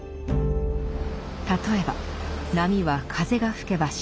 例えば波は風が吹けば生じます。